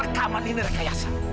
rekaman ini rekayasa